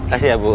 kasih ya bu